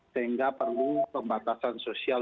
sehingga perlu pembatasan sosial